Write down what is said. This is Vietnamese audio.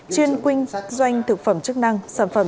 chuyên quynh doanh thực phẩm chức năng